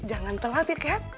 jangan telat ya kat